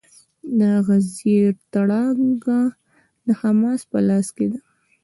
د غزې تړانګه د حماس په لاس کې ده.